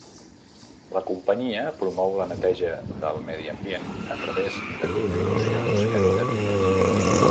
La companyia promou la neteja del medi ambient a través de contribucions caritatives.